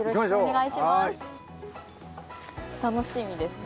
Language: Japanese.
楽しみですね。